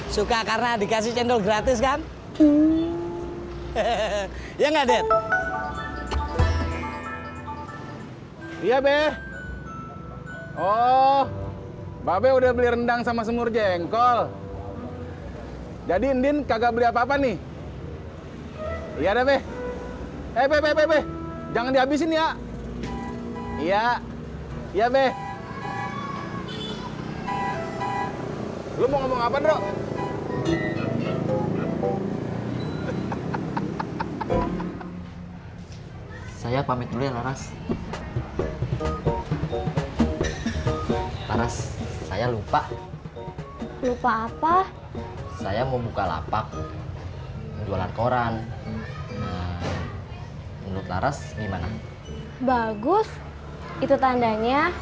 sampai jumpa di video selanjutnya